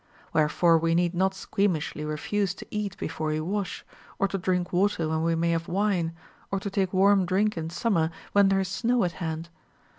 A\'herefore we need not squeamishly refuse to eat before we wash, or to drink water when we may have Avine, or to take warm drink in summer when there is snow at hand.